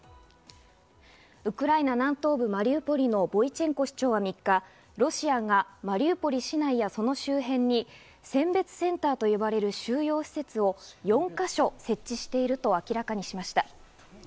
ウクライナ南東部マリウポリのボイチェンコ市長は３日、ロシアがマリウポリ市内や、その周辺に選別センターと呼ばれる収容施設を４か所を設置していると明らかにしました。